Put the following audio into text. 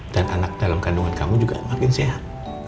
dan anak dalam kandungan kamu juga makin sehat